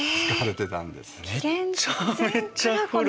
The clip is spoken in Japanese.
めちゃめちゃ古い。